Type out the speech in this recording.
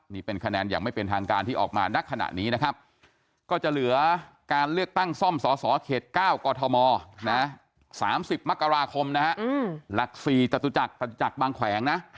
นี่เป็นคะแนนอย่างไม่เป็นทางการที่ออกมาณขณะนี้นะครับก็จะเหลือการเลือกตั้งซ่อมสสเขต๙กธม๓๐มกราคมนะฮะหลัก๔จตุจักรบางแขวงนะ